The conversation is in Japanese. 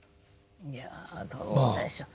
いやどうでしょう？